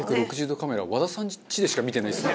カメラ和田さんちでしか見てないですね」